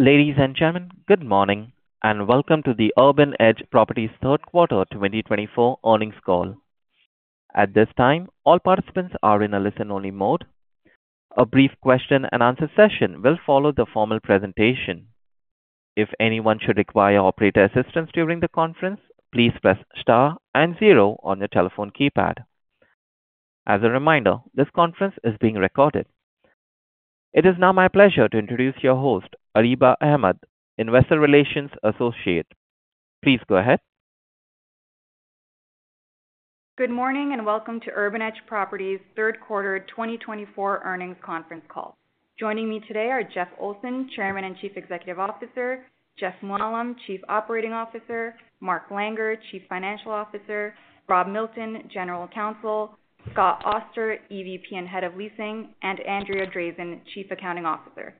Ladies and gentlemen, good morning and welcome to the Urban Edge Properties third quarter 2024 earnings call. At this time, all participants are in a listen-only mode. A brief question-and-answer session will follow the formal presentation. If anyone should require operator assistance during the conference, please press star and zero on your telephone keypad. As a reminder, this conference is being recorded. It is now my pleasure to introduce your host, Areeba Ahmed, Investor Relations Associate. Please go ahead. Good morning and welcome to Urban Edge Properties third quarter 2024 earnings conference call. Joining me today are Jeff Olson, Chairman and Chief Executive Officer, Jeff Mooallem, Chief Operating Officer, Mark Langer, Chief Financial Officer, Rob Milton, General Counsel, Scott Auster, EVP and Head of Leasing, and Andrea Drazin, Chief Accounting Officer.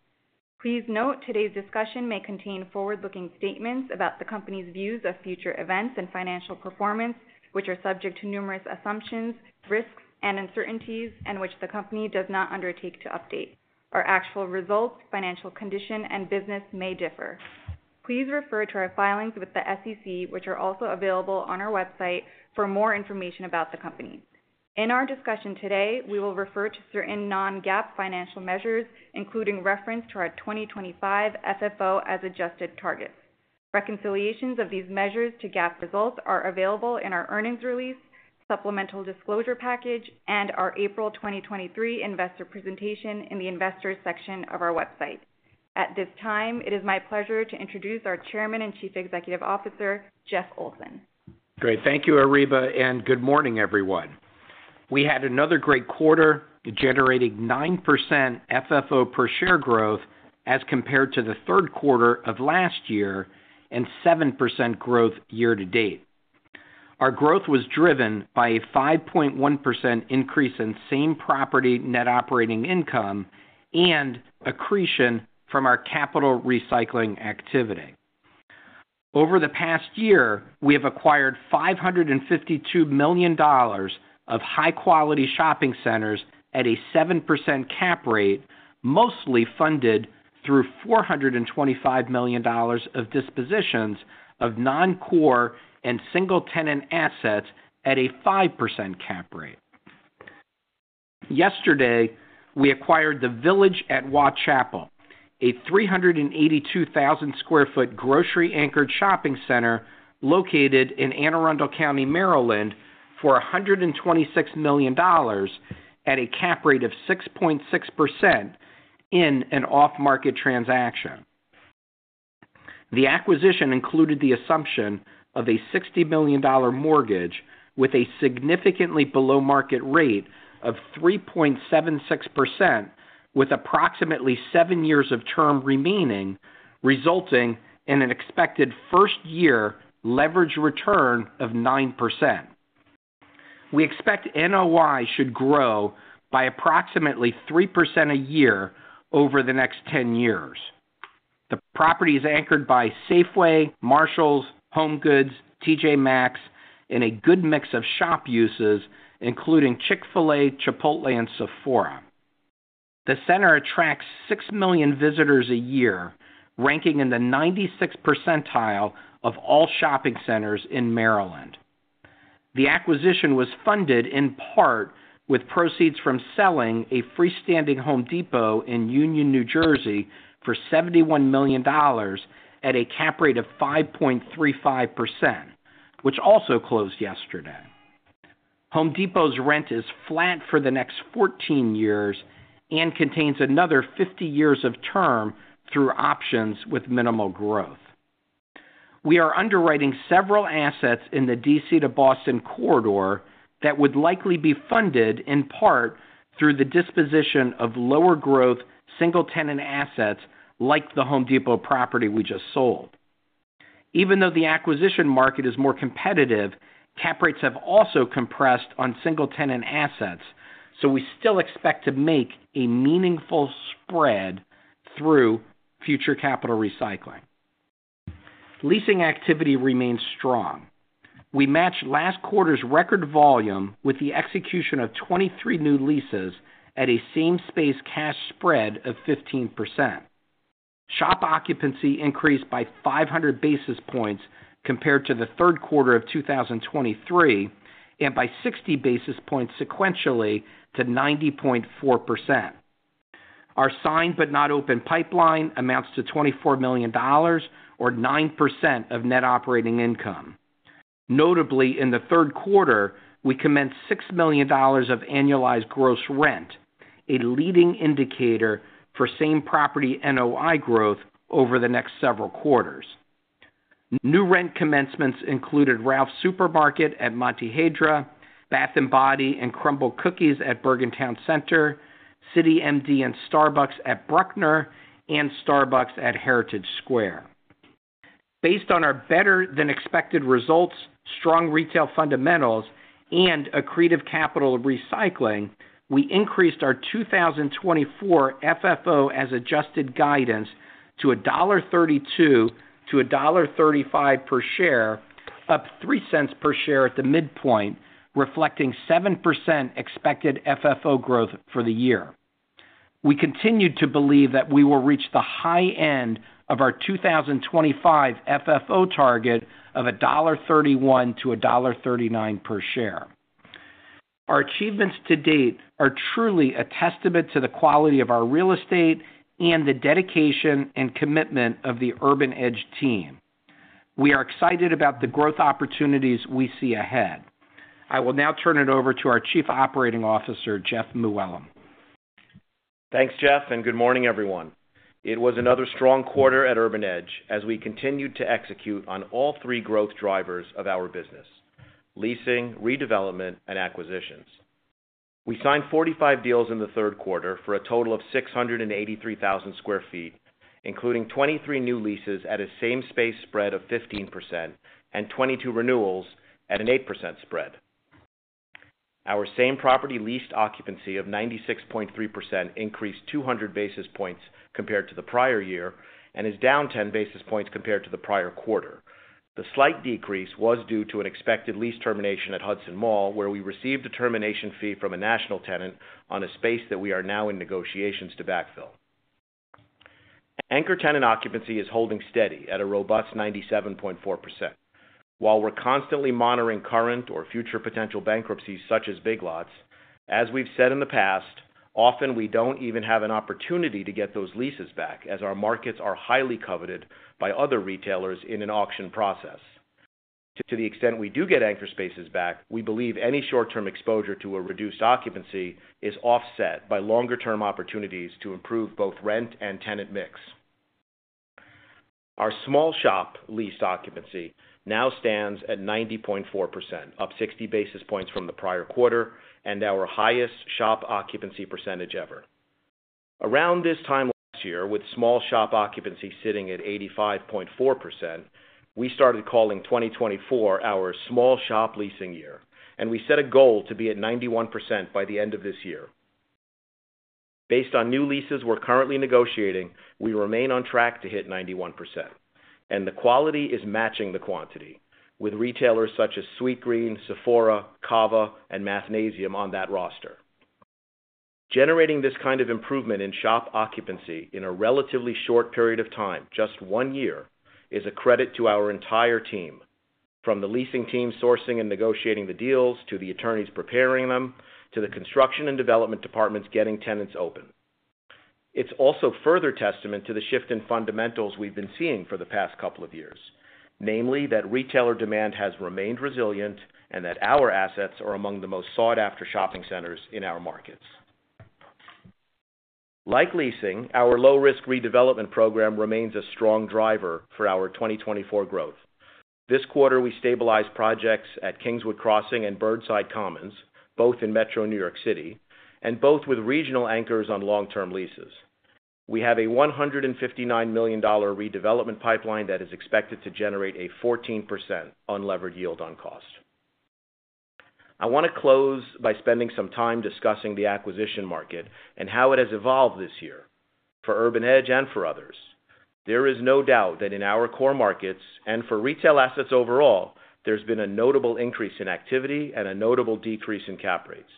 Please note today's discussion may contain forward-looking statements about the company's views of future events and financial performance, which are subject to numerous assumptions, risks, and uncertainties, and which the company does not undertake to update. Our actual results, financial condition, and business may differ. Please refer to our filings with the SEC, which are also available on our website for more information about the company. In our discussion today, we will refer to certain non-GAAP financial measures, including reference to our 2025 FFO as adjusted targets. Reconciliations of these measures to GAAP results are available in our earnings release, supplemental disclosure package, and our April 2023 investor presentation in the investors' section of our website. At this time, it is my pleasure to introduce our Chairman and Chief Executive Officer, Jeff Olson. Great. Thank you, Areeba, and good morning, everyone. We had another great quarter, generating 9% FFO per share growth as compared to the third quarter of last year and 7% growth year to date. Our growth was driven by a 5.1% increase in same property net operating income and accretion from our capital recycling activity. Over the past year, we have acquired $552 million of high-quality shopping centers at a 7% cap rate, mostly funded through $425 million of dispositions of non-core and single-tenant assets at a 5% cap rate. Yesterday, we acquired The Village at Waugh Chapel, a 382,000 sq ft grocery-anchored shopping center located in Anne Arundel County, Maryland, for $126 million at a cap rate of 6.6% in an off-market transaction. The acquisition included the assumption of a $60 million mortgage with a significantly below-market rate of 3.76%, with approximately seven years of term remaining, resulting in an expected first-year leverage return of 9%. We expect NOI should grow by approximately 3% a year over the next 10 years. The property is anchored by Safeway, Marshalls, HomeGoods, T.J. Maxx, and a good mix of shop uses, including Chick-fil-A, Chipotle, and Sephora. The center attracts 6 million visitors a year, ranking in the 96th percentile of all shopping centers in Maryland. The acquisition was funded in part with proceeds from selling a freestanding Home Depot in Union, New Jersey, for $71 million at a cap rate of 5.35%, which also closed yesterday. Home Depot's rent is flat for the next 14 years and contains another 50 years of term through options with minimal growth. We are underwriting several assets in the DC to Boston corridor that would likely be funded in part through the disposition of lower-growth single-tenant assets like the Home Depot property we just sold. Even though the acquisition market is more competitive, cap rates have also compressed on single-tenant assets, so we still expect to make a meaningful spread through future capital recycling. Leasing activity remains strong. We matched last quarter's record volume with the execution of 23 new leases at a same-space cash spread of 15%. Shop occupancy increased by 500 basis points compared to the third quarter of 2023 and by 60 basis points sequentially to 90.4%. Our signed-but-not-opened pipeline amounts to $24 million, or 9% of net operating income. Notably, in the third quarter, we commenced $6 million of annualized gross rent, a leading indicator for same-property NOI growth over the next several quarters. New rent commencements included Ralph's Supermarket at Montehiedra, Bath & Body Works and Crumbl Cookies at Bergen Town Center, CityMD and Starbucks at Bruckner Commons, and Starbucks at Heritage Square. Based on our better-than-expected results, strong retail fundamentals, and accretive capital recycling, we increased our 2024 FFO as adjusted guidance to $1.32-$1.35 per share, up $0.03 per share at the midpoint, reflecting 7% expected FFO growth for the year. We continued to believe that we will reach the high end of our 2025 FFO target of $1.31-$1.39 per share. Our achievements to date are truly a testament to the quality of our real estate and the dedication and commitment of the Urban Edge team. We are excited about the growth opportunities we see ahead. I will now turn it over to our Chief Operating Officer, Jeff Mooallem. Thanks, Jeff, and good morning, everyone. It was another strong quarter at Urban Edge as we continued to execute on all three growth drivers of our business: leasing, redevelopment, and acquisitions. We signed 45 deals in the third quarter for a total of 683,000 sq ft, including 23 new leases at a same-space spread of 15% and 22 renewals at an 8% spread. Our same-property leased occupancy of 96.3% increased 200 basis points compared to the prior year and is down 10 basis points compared to the prior quarter. The slight decrease was due to an expected lease termination at Hudson Mall, where we received a termination fee from a national tenant on a space that we are now in negotiations to backfill. Anchor tenant occupancy is holding steady at a robust 97.4%, while we're constantly monitoring current or future potential bankruptcies such as Big Lots. As we've said in the past, often we don't even have an opportunity to get those leases back as our markets are highly coveted by other retailers in an auction process. To the extent we do get anchor spaces back, we believe any short-term exposure to a reduced occupancy is offset by longer-term opportunities to improve both rent and tenant mix. Our small shop leased occupancy now stands at 90.4%, up 60 basis points from the prior quarter and our highest shop occupancy percentage ever. Around this time last year, with small shop occupancy sitting at 85.4%, we started calling 2024 our small shop leasing year, and we set a goal to be at 91% by the end of this year. Based on new leases we're currently negotiating, we remain on track to hit 91%, and the quality is matching the quantity, with retailers such as Sweetgreen, Sephora, CAVA, and Mathnasium on that roster. Generating this kind of improvement in shop occupancy in a relatively short period of time, just one year, is a credit to our entire team, from the leasing team sourcing and negotiating the deals, to the attorneys preparing them, to the construction and development departments getting tenants open. It's also further testament to the shift in fundamentals we've been seeing for the past couple of years, namely that retailer demand has remained resilient and that our assets are among the most sought-after shopping centers in our markets. Like leasing, our low-risk redevelopment program remains a strong driver for our 2024 growth. This quarter, we stabilized projects at Kingswood Crossing and Burnside Commons, both in metro New York City and both with regional anchors on long-term leases. We have a $159 million redevelopment pipeline that is expected to generate a 14% unlevered yield on cost. I want to close by spending some time discussing the acquisition market and how it has evolved this year for Urban Edge and for others. There is no doubt that in our core markets and for retail assets overall, there's been a notable increase in activity and a notable decrease in cap rates.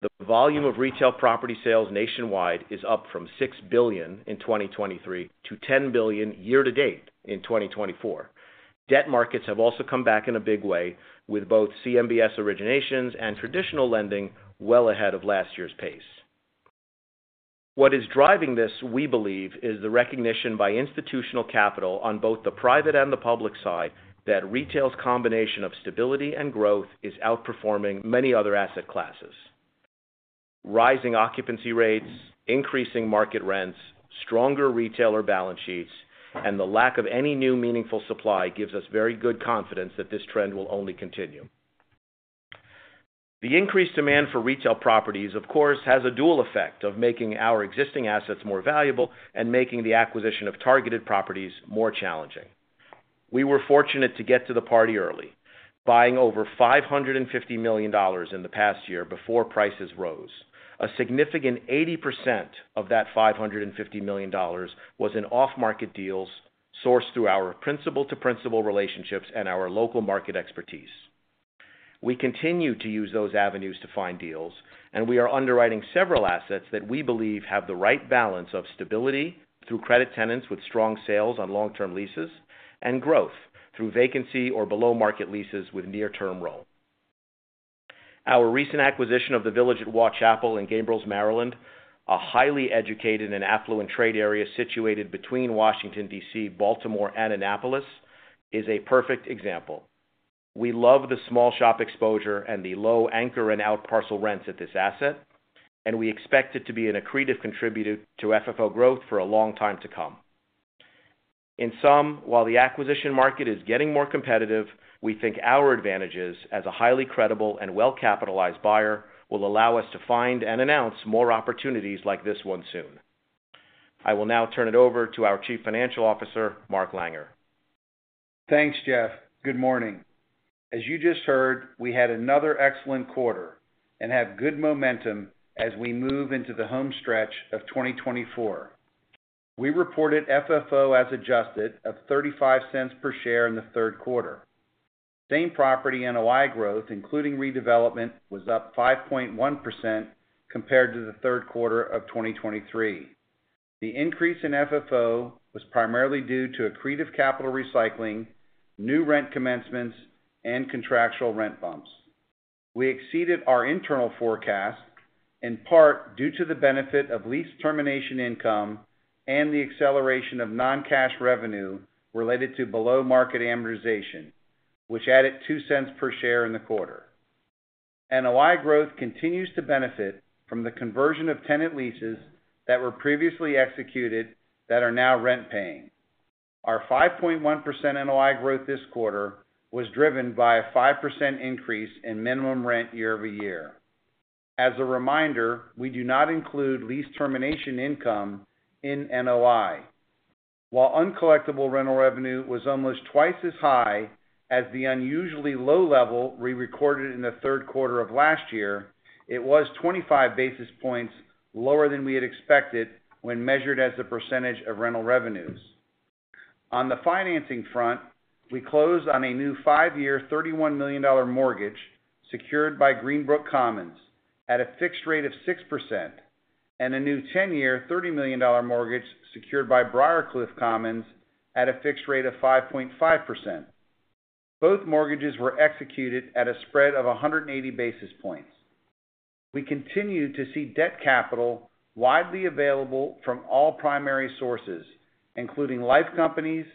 The volume of retail property sales nationwide is up from $6 billion in 2023 to $10 billion year to date in 2024. Debt markets have also come back in a big way, with both CMBS originations and traditional lending well ahead of last year's pace. What is driving this, we believe, is the recognition by institutional capital on both the private and the public side that retail's combination of stability and growth is outperforming many other asset classes. Rising occupancy rates, increasing market rents, stronger retailer balance sheets, and the lack of any new meaningful supply gives us very good confidence that this trend will only continue. The increased demand for retail properties, of course, has a dual effect of making our existing assets more valuable and making the acquisition of targeted properties more challenging. We were fortunate to get to the party early, buying over $550 million in the past year before prices rose. A significant 80% of that $550 million was in off-market deals sourced through our principal-to-principal relationships and our local market expertise. We continue to use those avenues to find deals, and we are underwriting several assets that we believe have the right balance of stability through credit tenants with strong sales on long-term leases and growth through vacancy or below-market leases with near-term roll. Our recent acquisition of The Village at Waugh Chapel in Gambrills, Maryland, a highly educated and affluent trade area situated between Washington, D.C., Baltimore, and Annapolis, is a perfect example. We love the small shop exposure and the low anchor and outparcel rents at this asset, and we expect it to be an accretive contributor to FFO growth for a long time to come. In sum, while the acquisition market is getting more competitive, we think our advantages as a highly credible and well-capitalized buyer will allow us to find and announce more opportunities like this one soon. I will now turn it over to our Chief Financial Officer, Mark Langer. Thanks, Jeff. Good morning. As you just heard, we had another excellent quarter and have good momentum as we move into the home stretch of 2024. We reported FFO as adjusted of $0.35 per share in the third quarter. Same-property NOI growth, including redevelopment, was up 5.1% compared to the third quarter of 2023. The increase in FFO was primarily due to accretive capital recycling, new rent commencements, and contractual rent bumps. We exceeded our internal forecast in part due to the benefit of lease termination income and the acceleration of non-cash revenue related to below-market amortization, which added $0.02 per share in the quarter. NOI growth continues to benefit from the conversion of tenant leases that were previously executed that are now rent-paying. Our 5.1% NOI growth this quarter was driven by a 5% increase in minimum rent year-over- year. As a reminder, we do not include lease termination income in NOI. While uncollectible rental revenue was almost twice as high as the unusually low level we recorded in the third quarter of last year, it was 25 basis points lower than we had expected when measured as a percentage of rental revenues. On the financing front, we closed on a new five-year, $31 million mortgage secured by Greenbrook Commons at a fixed rate of 6%, and a new 10-year, $30 million mortgage secured by Briarcliff Commons at a fixed rate of 5.5%. Both mortgages were executed at a spread of 180 basis points. We continue to see debt capital widely available from all primary sources, including life companies,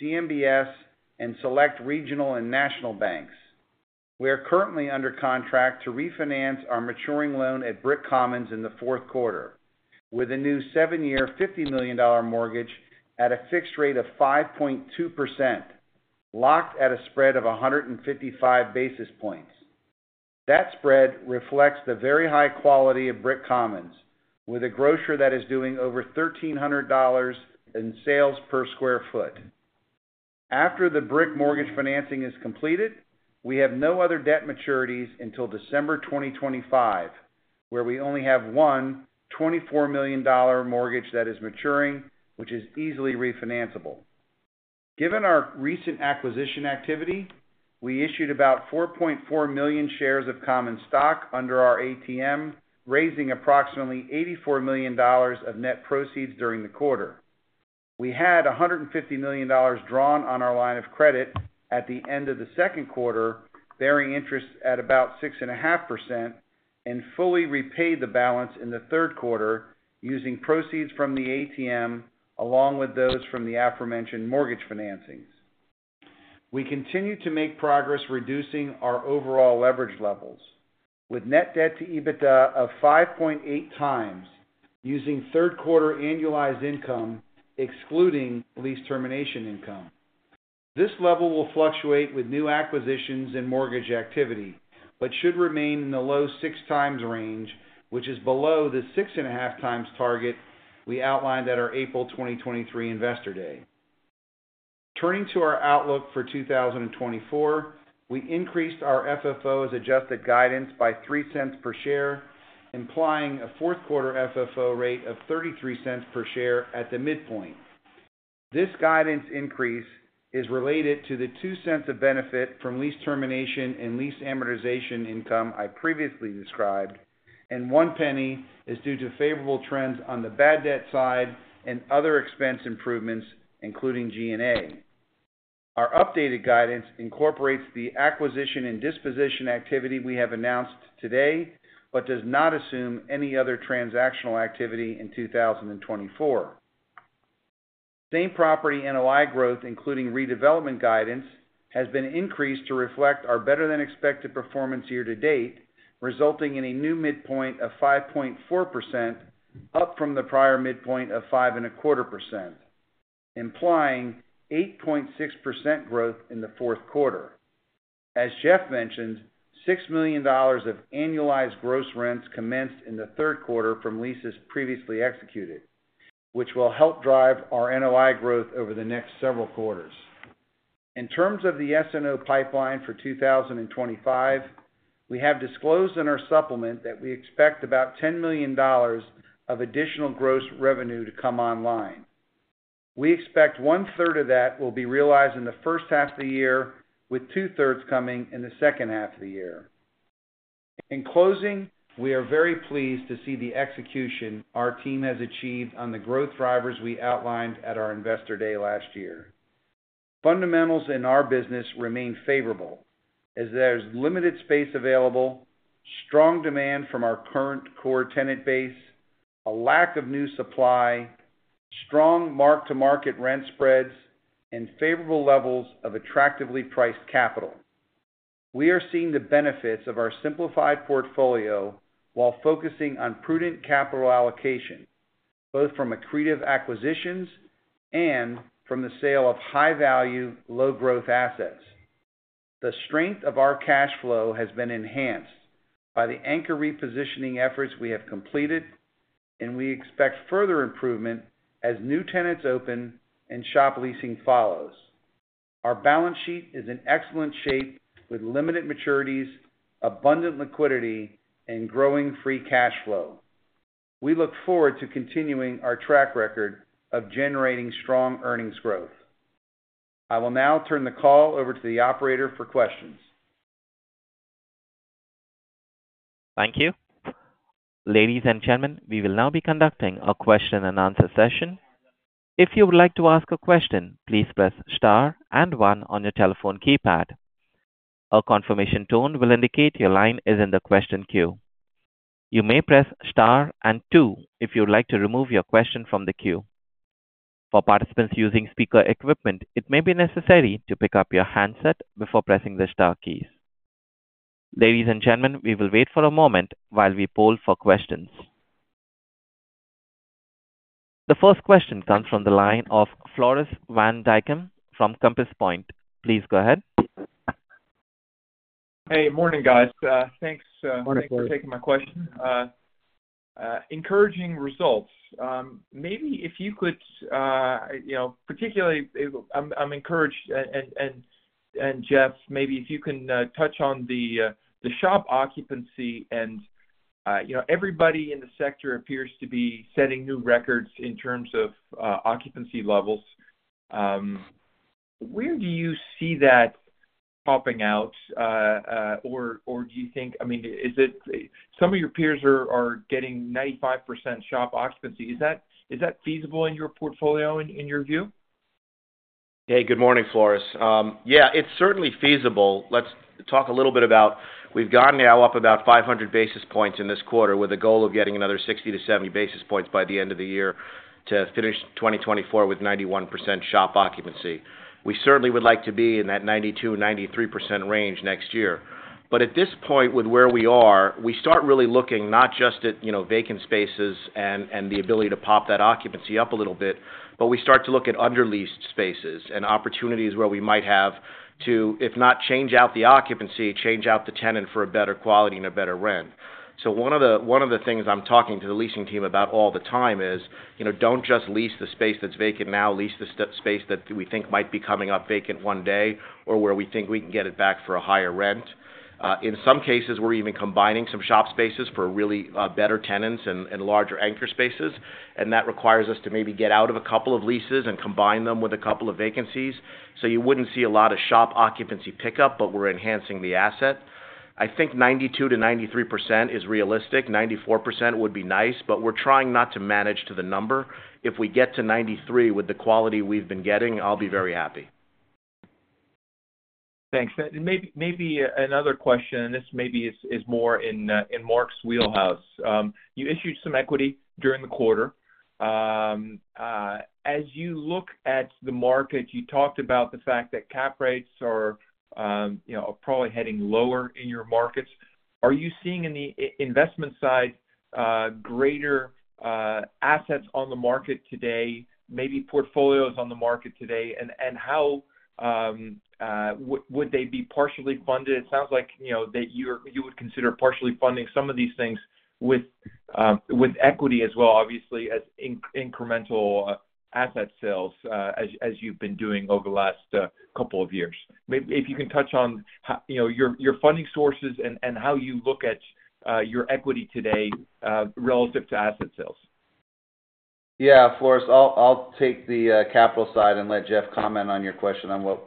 CMBS, and select regional and national banks. We are currently under contract to refinance our maturing loan at Brick Commons in the fourth quarter, with a new seven-year, $50 million mortgage at a fixed rate of 5.2%, locked at a spread of 155 basis points. That spread reflects the very high quality of Brick Commons, with a grocer that is doing over $1,300 in sales per sq ft. After the Brick mortgage financing is completed, we have no other debt maturities until December 2025, where we only have one $24 million mortgage that is maturing, which is easily refinanceable. Given our recent acquisition activity, we issued about 4.4 million shares of Common stock under our ATM, raising approximately $84 million of net proceeds during the quarter. We had $150 million drawn on our line of credit at the end of the second quarter, bearing interest at about 6.5%, and fully repaid the balance in the third quarter using proceeds from the ATM along with those from the aforementioned mortgage financings. We continue to make progress reducing our overall leverage levels, with net debt to EBITDA of 5.8 times using third-quarter annualized income excluding lease termination income. This level will fluctuate with new acquisitions and mortgage activity but should remain in the low six times range, which is below the 6.5 times target we outlined at our April 2023 Investor Day. Turning to our outlook for 2024, we increased our FFO as adjusted guidance by $0.03 per share, implying a fourth-quarter FFO rate of $0.33 per share at the midpoint. This guidance increase is related to the $0.02 of benefit from lease termination and lease amortization income I previously described, and one penny is due to favorable trends on the bad debt side and other expense improvements, including G&A. Our updated guidance incorporates the acquisition and disposition activity we have announced today but does not assume any other transactional activity in 2024. Same-property NOI growth, including redevelopment guidance, has been increased to reflect our better-than-expected performance year to date, resulting in a new midpoint of 5.4%, up from the prior midpoint of 5.25%, implying 8.6% growth in the fourth quarter. As Jeff mentioned, $6 million of annualized gross rents commenced in the third quarter from leases previously executed, which will help drive our NOI growth over the next several quarters. In terms of the SNO pipeline for 2025, we have disclosed in our supplement that we expect about $10 million of additional gross revenue to come online. We expect one-third of that will be realized in the first half of the year, with two-thirds coming in the second half of the year. In closing, we are very pleased to see the execution our team has achieved on the growth drivers we outlined at our Investor Day last year. Fundamentals in our business remain favorable, as there's limited space available, strong demand from our current core tenant base, a lack of new supply, strong mark-to-market rent spreads, and favorable levels of attractively priced capital. We are seeing the benefits of our simplified portfolio while focusing on prudent capital allocation, both from accretive acquisitions and from the sale of high-value, low-growth assets. The strength of our cash flow has been enhanced by the anchor repositioning efforts we have completed, and we expect further improvement as new tenants open and shop leasing follows. Our balance sheet is in excellent shape with limited maturities, abundant liquidity, and growing free cash flow. We look forward to continuing our track record of generating strong earnings growth. I will now turn the call over to the operator for questions. Thank you. Ladies and gentlemen, we will now be conducting a question-and-answer session. If you would like to ask a question, please press star and one on your telephone keypad. A confirmation tone will indicate your line is in the question queue. You may press star and two if you would like to remove your question from the queue. For participants using speaker equipment, it may be necessary to pick up your handset before pressing the star keys. Ladies and gentlemen, we will wait for a moment while we poll for questions. The first question comes from the line of Floris Van Dijkum from Compass Point. Please go ahead. Good morning, guys. Thanks for taking my question. Encouraging results. Maybe if you could, particularly, I'm encouraged, and Jeff, maybe if you can touch on the shop occupancy and everybody in the sector appears to be setting new records in terms of occupancy levels. Where do you see that topping out, or do you think, I mean, some of your peers are getting 95% shop occupancy? Is that feasible in your portfolio in your view? Hey, good morning, Floris. Yeah, it's certainly feasible. Let's talk a little bit about we've gone now up about 500 basis points in this quarter with a goal of getting another 60-70 basis points by the end of the year to finish 2024 with 91% shop occupancy. We certainly would like to be in that 92%-93% range next year. But at this point with where we are, we start really looking not just at vacant spaces and the ability to pop that occupancy up a little bit, but we start to look at underleased spaces and opportunities where we might have to, if not change out the occupancy, change out the tenant for a better quality and a better rent. One of the things I'm talking to the leasing team about all the time is don't just lease the space that's vacant now. Lease the space that we think might be coming up vacant one day or where we think we can get it back for a higher rent. In some cases, we're even combining some shop spaces for really better tenants and larger anchor spaces, and that requires us to maybe get out of a couple of leases and combine them with a couple of vacancies. So you wouldn't see a lot of shop occupancy pickup, but we're enhancing the asset. I think 92%-93% is realistic. 94% would be nice, but we're trying not to manage to the number. If we get to 93% with the quality we've been getting, I'll be very happy. Thanks. Maybe another question, and this maybe is more in Mark's wheelhouse. You issued some equity during the quarter. As you look at the market, you talked about the fact that cap rates are probably heading lower in your markets. Are you seeing in the investment side greater assets on the market today, maybe portfolios on the market today, and how would they be partially funded? It sounds like that you would consider partially funding some of these things with equity as well, obviously, as incremental asset sales as you've been doing over the last couple of years. If you can touch on your funding sources and how you look at your equity today relative to asset sales. Yeah, of course. I'll take the capital side and let Jeff comment on your question on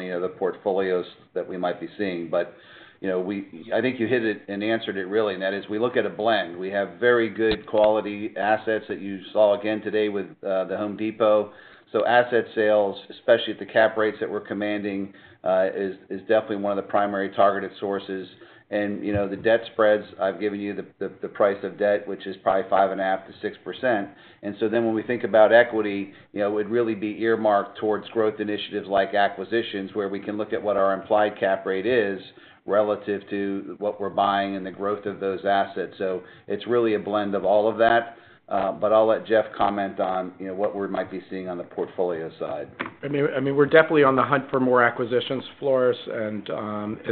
any of the portfolios that we might be seeing. But I think you hit it and answered it really, and that is we look at a blend. We have very good quality assets that you saw again today with the Home Depot. So asset sales, especially at the cap rates that we're commanding, is definitely one of the primary targeted sources. And the debt spreads, I've given you the price of debt, which is probably 5.5%-6%. And so then when we think about equity, it would really be earmarked towards growth initiatives like acquisitions where we can look at what our implied cap rate is relative to what we're buying and the growth of those assets. So it's really a blend of all of that, but I'll let Jeff comment on what we might be seeing on the portfolio side. I mean, we're definitely on the hunt for more acquisitions, Floris, and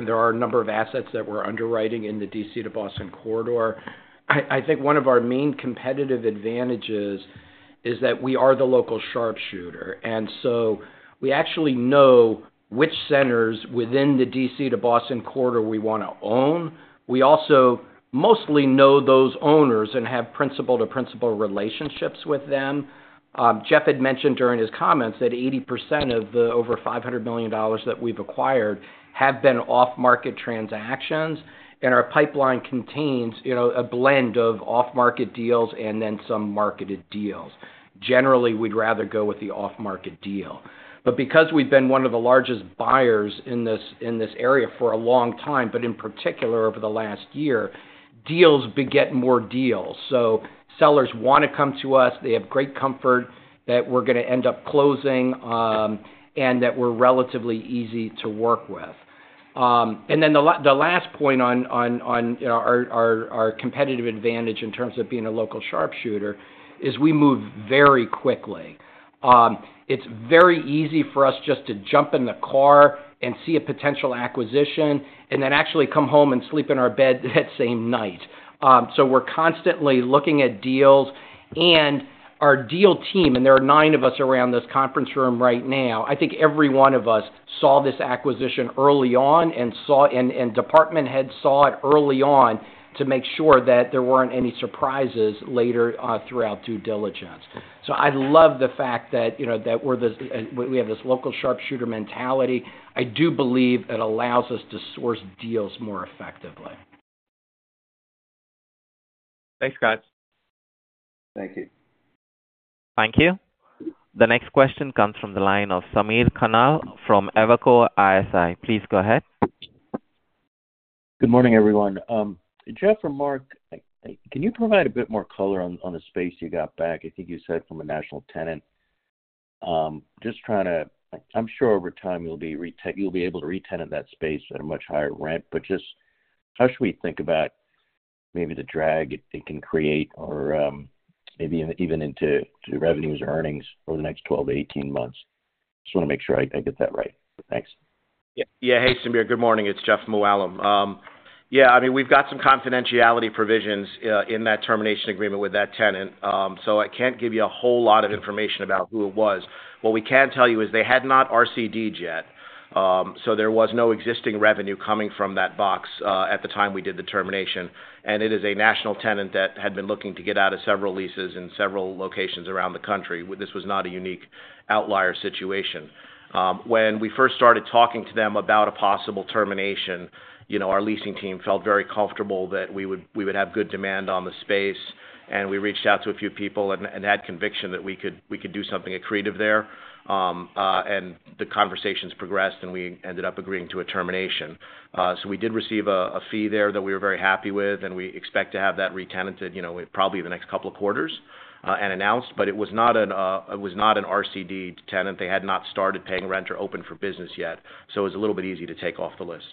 there are a number of assets that we're underwriting in the DC to Boston corridor. I think one of our main competitive advantages is that we are the local sharpshooter, and so we actually know which centers within the DC to Boston corridor we want to own. We also mostly know those owners and have principal-to-principal relationships with them. Jeff had mentioned during his comments that 80% of the over $500 million that we've acquired have been off-market transactions, and our pipeline contains a blend of off-market deals and then some marketed deals. Generally, we'd rather go with the off-market deal, but because we've been one of the largest buyers in this area for a long time, but in particular over the last year, deals get more deals, so sellers want to come to us. They have great comfort that we're going to end up closing and that we're relatively easy to work with, and then the last point on our competitive advantage in terms of being a local sharpshooter is we move very quickly. It's very easy for us just to jump in the car and see a potential acquisition and then actually come home and sleep in our bed that same night, so we're constantly looking at deals, and our deal team, and there are nine of us around this conference room right now. I think every one of us saw this acquisition early on and department heads saw it early on to make sure that there weren't any surprises later throughout due diligence, so I love the fact that we have this local sharpshooter mentality. I do believe it allows us to source deals more effectively. Thanks, guys. Thank you. Thank you. The next question comes from the line of Samir Khanal from Evercore ISI. Please go ahead. Good morning, everyone. Jeff or Mark, can you provide a bit more color on the space you got back? I think you said from a national tenant. Just trying to, I'm sure over time you'll be able to retenant that space at a much higher rent, but just how should we think about maybe the drag it can create or maybe even into revenues or earnings over the next 12 to 18 months? Just want to make sure I get that right. Thanks. Yeah. Hey, Samir. Good morning. It's Jeff Mooallem. Yeah, I mean, we've got some confidentiality provisions in that termination agreement with that tenant, so I can't give you a whole lot of information about who it was. What we can tell you is they had not RCD'd yet, so there was no existing revenue coming from that box at the time we did the termination. And it is a national tenant that had been looking to get out of several leases in several locations around the country. This was not a unique outlier situation. When we first started talking to them about a possible termination, our leasing team felt very comfortable that we would have good demand on the space, and we reached out to a few people and had conviction that we could do something accretive there. And the conversations progressed, and we ended up agreeing to a termination. So we did receive a fee there that we were very happy with, and we expect to have that retenanted probably the next couple of quarters and announced, but it was not an RCD'd tenant. They had not started paying rent or opened for business yet, so it was a little bit easy to take off the list.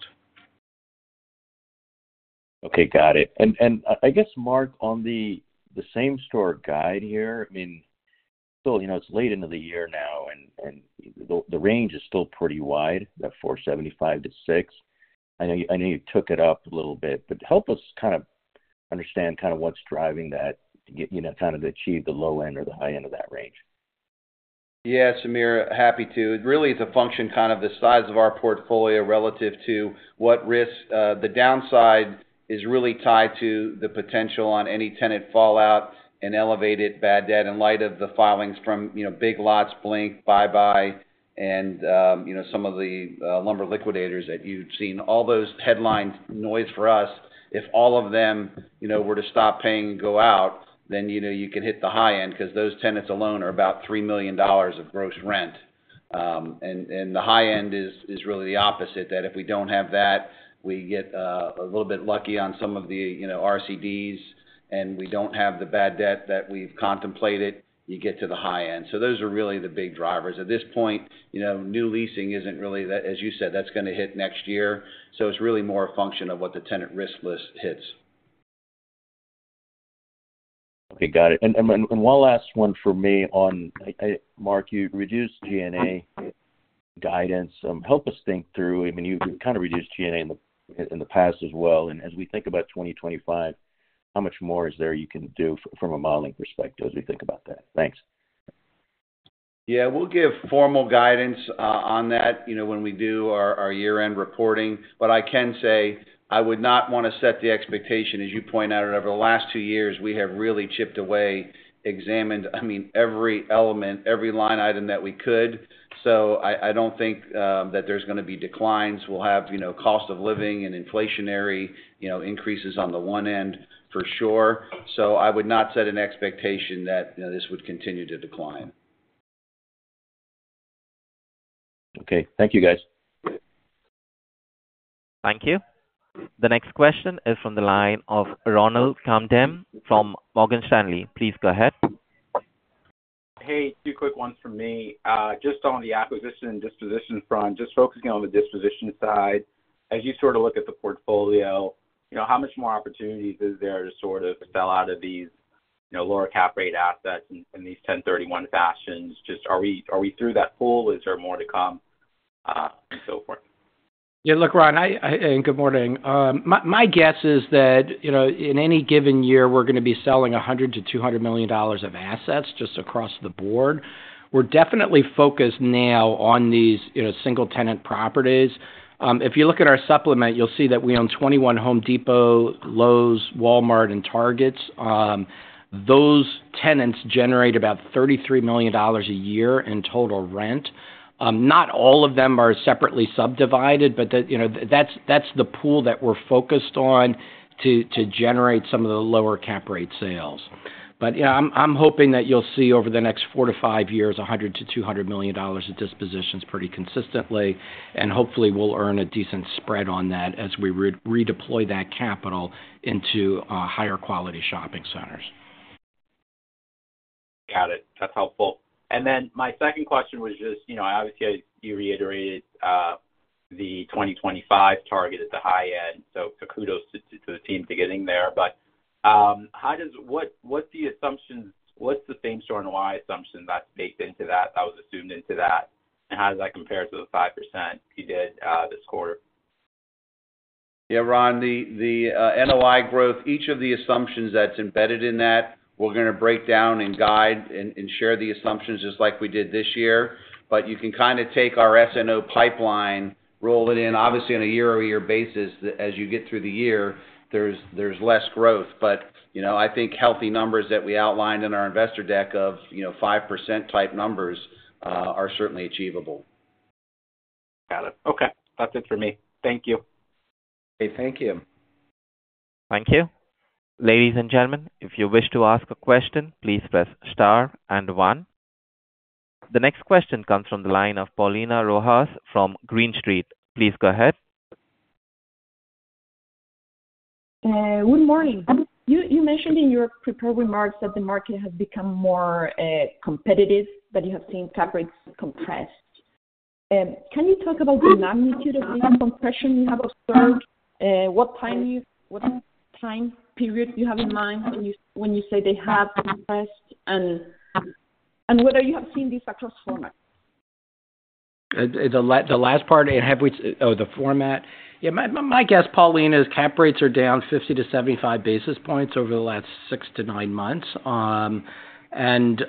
Okay. Got it. And I guess, Mark, on the same-store guidance here, I mean, still it's late into the year now, and the range is still pretty wide, that 4.75%-6%. I know you took it up a little bit, but help us kind of understand kind of what's driving that to kind of achieve the low end or the high end of that range. Yeah, Samir, happy to. It really is a function kind of the size of our portfolio relative to what risk the downside is really tied to the potential on any tenant fallout and elevated bad debt in light of the filings from Big Lots, Blink, Buy Buy, and some of the Lumber Liquidators that you've seen. All those headlines noise for us. If all of them were to stop paying and go out, then you can hit the high end because those tenants alone are about $3 million of gross rent. And the high end is really the opposite, that if we don't have that, we get a little bit lucky on some of the RCDs, and we don't have the bad debt that we've contemplated, you get to the high end. So those are really the big drivers. At this point, new leasing isn't really, as you said. That's going to hit next year. So it's really more a function of what the tenant risk list hits. Okay. Got it. And one last one for me on, Mark, you reduced G&A guidance. Help us think through. I mean, you've kind of reduced G&A in the past as well. And as we think about 2025, how much more is there you can do from a modeling perspective as we think about that? Thanks. Yeah, we'll give formal guidance on that when we do our year-end reporting. But I can say I would not want to set the expectation, as you point out, that over the last two years, we have really chipped away, examined, I mean, every element, every line item that we could. So I don't think that there's going to be declines. We'll have cost of living and inflationary increases on the one end for sure. So I would not set an expectation that this would continue to decline. Okay. Thank you, guys. Thank you. The next question is from the line of Ronald Kamdem from Morgan Stanley. Please go ahead. Hey, two quick ones from me. Just on the acquisition and disposition front, just focusing on the disposition side, as you sort of look at the portfolio, how much more opportunities is there to sort of sell out of these lower cap rate assets in these 1031 fashions? Just are we through that pool? Is there more to come and so forth? Yeah, look, Ryan, and good morning. My guess is that in any given year, we're going to be selling $100-200 million of assets just across the board. We're definitely focused now on these single-tenant properties. If you look at our supplement, you'll see that we own 21 Home Depot, Lowe's, Walmart, and Targets. Those tenants generate about $33 million a year in total rent. Not all of them are separately subdivided, but that's the pool that we're focused on to generate some of the lower cap rate sales. But I'm hoping that you'll see over the next four to five years $100-200 million of dispositions pretty consistently, and hopefully we'll earn a decent spread on that as we redeploy that capital into higher quality shopping centers. Got it. That's helpful. And then my second question was just obviously you reiterated the 2025 target at the high end. So kudos to the team for getting there. But what's the assumptions? What's the same store NOI assumption that's baked into that, that was assumed into that? And how does that compare to the 5% you did this quarter? Yeah, Ryan, the NOI growth, each of the assumptions that's embedded in that, we're going to break down and guide and share the assumptions just like we did this year. But you can kind of take our S&O pipeline, roll it in. Obviously, on a year-over-year basis, as you get through the year, there's less growth. But I think healthy numbers that we outlined in our investor deck of 5% type numbers are certainly achievable. Got it. Okay. That's it for me. Thank you. Hey, thank you. Thank you. Ladies and gentlemen, if you wish to ask a question, please press star and one. The next question comes from the line of Paulina Rojas from Green Street. Please go ahead. Good morning. You mentioned in your prepared remarks that the market has become more competitive, that you have seen cap rates compressed. Can you talk about the magnitude of the compression you have observed? What time period do you have in mind when you say they have compressed and whether you have seen this across format? The last part, oh, the format. Yeah, my guess, Paulina, is cap rates are down 50-75 basis points over the last six to nine months. And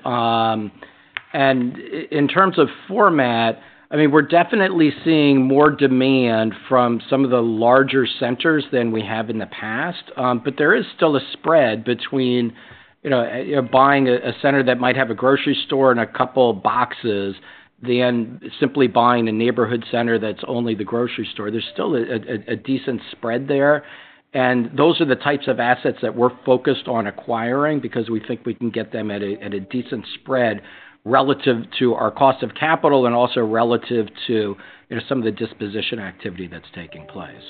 in terms of format, I mean, we're definitely seeing more demand from some of the larger centers than we have in the past. But there is still a spread between buying a center that might have a grocery store and a couple of boxes than simply buying a neighborhood center that's only the grocery store. There's still a decent spread there. And those are the types of assets that we're focused on acquiring because we think we can get them at a decent spread relative to our cost of capital and also relative to some of the disposition activity that's taking place.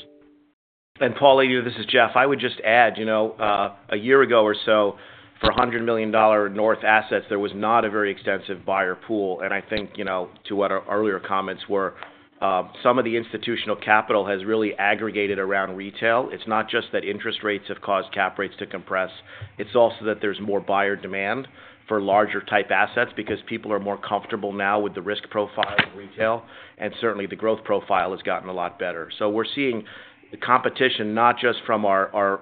Paulina, this is Jeff. I would just add a year ago or so, for $100 million worth assets, there was not a very extensive buyer pool. I think to what our earlier comments were, some of the institutional capital has really gravitated around retail. It's not just that interest rates have caused cap rates to compress. It's also that there's more buyer demand for larger type assets because people are more comfortable now with the risk profile of retail. Certainly, the growth profile has gotten a lot better. We're seeing the competition not just from our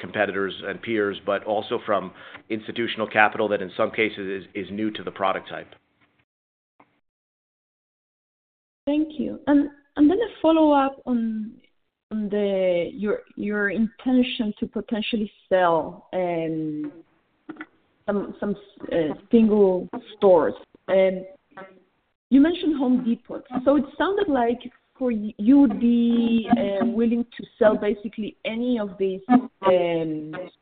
competitors and peers, but also from institutional capital that in some cases is new to the product type. Thank you. And I'm going to follow up on your intention to potentially sell some single stores. And you mentioned Home Depot. So it sounded like you would be willing to sell basically any of these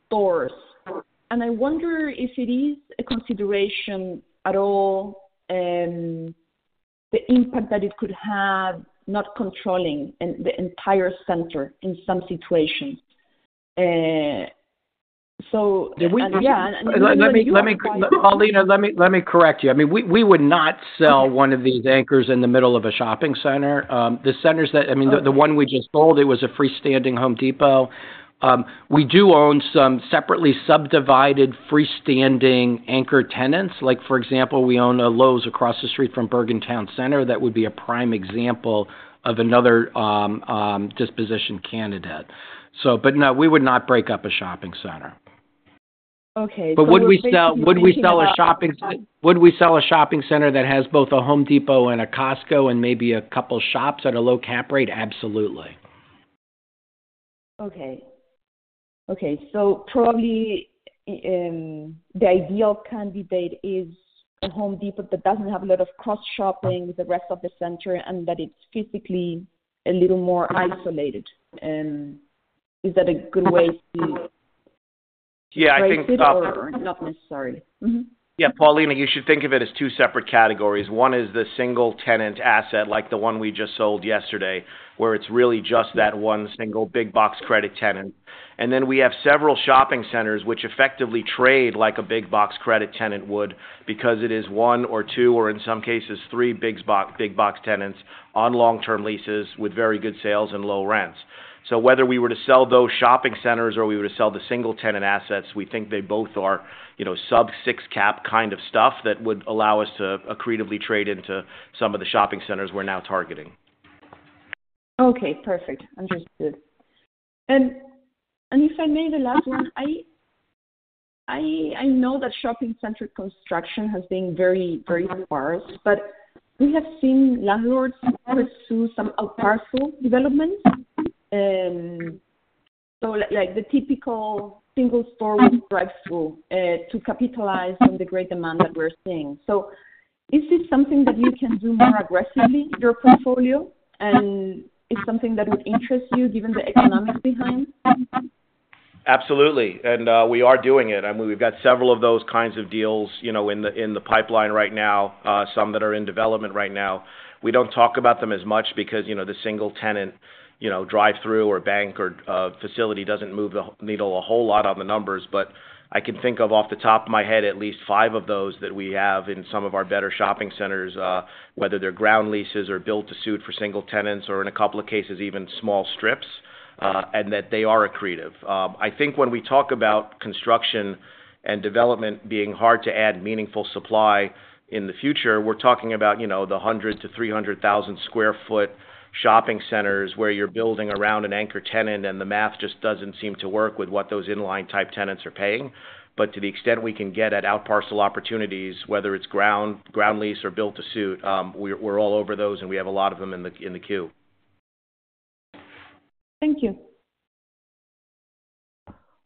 stores. And I wonder if it is a consideration at all, the impact that it could have not controlling the entire center in some situations. So yeah. Paulina, let me correct you. I mean, we would not sell one of these anchors in the middle of a shopping center. The centers that I mean, the one we just sold, it was a freestanding Home Depot. We do own some separately subdivided freestanding anchor tenants. For example, we own a Lowe's across the street from Bergen Town Center that would be a prime example of another disposition candidate. But no, we would not break up a shopping center. Okay. But would we sell a shopping center? Would we sell a shopping center that has both a Home Depot and a Costco and maybe a couple of shops at a low cap rate? Absolutely. Okay. So probably the ideal candidate is a Home Depot that doesn't have a lot of cross-shopping with the rest of the center and that it's physically a little more isolated. Is that a good way to? Yeah, I think tougher. Not necessarily. Yeah. Paulina, you should think of it as two separate categories. One is the single tenant asset like the one we just sold yesterday, where it's really just that one single big box credit tenant. And then we have several shopping centers which effectively trade like a big box credit tenant would because it is one or two or in some cases three big box tenants on long-term leases with very good sales and low rents. So whether we were to sell those shopping centers or we were to sell the single tenant assets, we think they both are sub-6 cap kind of stuff that would allow us to accretively trade into some of the shopping centers we're now targeting. Okay. Perfect. Understood. And if I may, the last one, I know that shopping center construction has been very, very sparse, but we have seen landlords pursue some partial developments. So the typical single store drive-through to capitalize on the great demand that we're seeing. So is this something that you can do more aggressively, your portfolio? And it's something that would interest you given the economics behind? Absolutely. And we are doing it. I mean, we've got several of those kinds of deals in the pipeline right now, some that are in development right now. We don't talk about them as much because the single tenant drive-through or bank or facility doesn't move the needle a whole lot on the numbers. But I can think of off the top of my head at least five of those that we have in some of our better shopping centers, whether they're ground leases or built to suit for single tenants or in a couple of cases even small strips, and that they are accretive. I think when we talk about construction and development being hard to add meaningful supply in the future, we're talking about the 100-300 thousand sq ft shopping centers where you're building around an anchor tenant, and the math just doesn't seem to work with what those inline type tenants are paying. But to the extent we can get at outparcel opportunities, whether it's ground lease or built to suit, we're all over those, and we have a lot of them in the queue. Thank you.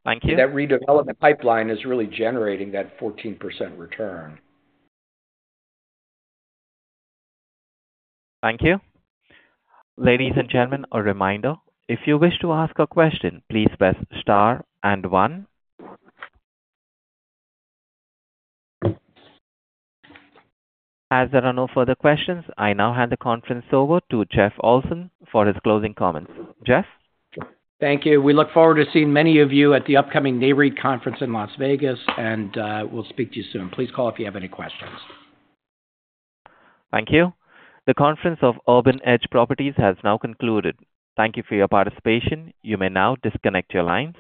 Thank you. That redevelopment pipeline is really generating that 14% return. Thank you. Ladies and gentlemen, a reminder. If you wish to ask a question, please press star and one. As there are no further questions, I now hand the conference over to Jeff Olson for his closing comments. Jeff? Thank you. We look forward to seeing many of you at the upcoming Nareit conference in Las Vegas, and we'll speak to you soon. Please call if you have any questions. Thank you. The conference of Urban Edge Properties has now concluded. Thank you for your participation. You may now disconnect your lines.